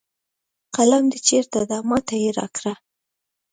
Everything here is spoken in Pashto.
قلم د چېرته ده ما ته یې راکړه